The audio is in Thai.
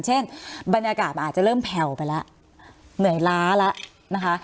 เช่นบรรยากาศอาจจะเริ่มแภวไปละเหนื่อยล้าละนะคะ